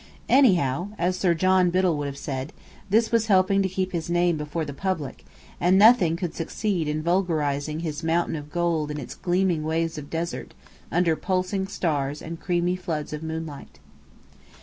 Anyhow (as Sir John Biddell would have said), this was helping to keep his name before the public; and nothing could succeed in vulgarizing his mountain of gold in its gleaming waves of desert, under pulsing stars and creamy floods of moonlight.